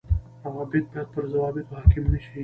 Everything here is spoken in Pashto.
روابط باید پر ضوابطو حاڪم نشي